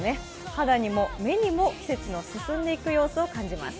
肌にも目にも季節の進んでいく様子が感じられます。